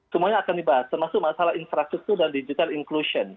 semuanya akan dibahas termasuk masalah infrastruktur dan digital inclusion